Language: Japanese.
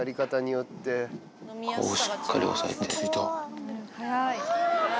顔をしっかり押さえて。